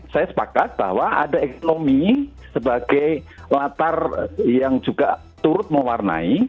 saya sepakat bahwa ada ekonomi sebagai latar yang juga turut mewarnai